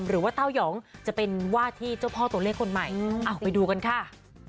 เต้ายองจะเป็นว่าที่เจ้าพ่อตัวเลขคนใหม่ไปดูกันค่ะ